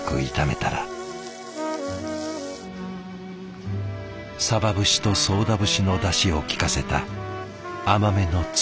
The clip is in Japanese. さば節と宗田節のだしをきかせた甘めのつゆでコトコトと。